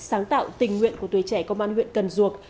sáng tạo tình nguyện của tuổi trẻ công an huyện cần duộc